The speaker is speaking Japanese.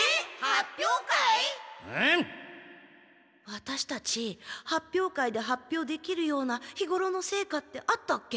ワタシたち発表会で発表できるような日ごろの成果ってあったっけ？